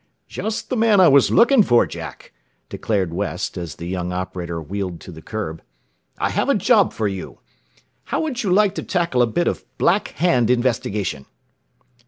"Just the man I was looking for, Jack," declared West, as the young operator wheeled to the curb. "I have a job for you. "How would you like to tackle a bit of Black Hand investigation?"